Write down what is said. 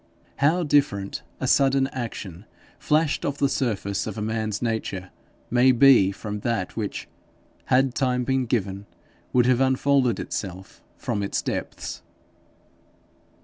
How different a sudden action flashed off the surface of a man's nature may be from that which, had time been given, would have unfolded itself from its depths!